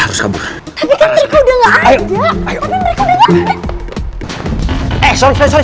mas ka buddeni